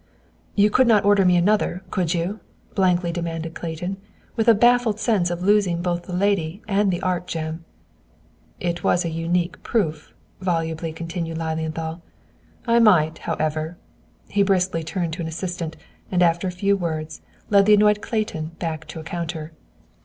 "You could not order me another, could you?" blankly demanded Clayton, with a baffled sense of losing both the lady and the art gem. "It was a unique proof," volubly continued Lilienthal. "I might, however," he briskly turned to an assistant, and after a few words, led the annoyed Clayton back to a counter.